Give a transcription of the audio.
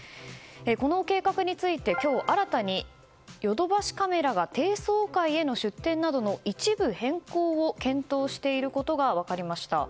この計画について今日新たにヨドバシカメラが低層階への出店などの一部変更を検討していることが分かりました。